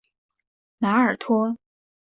马尔托。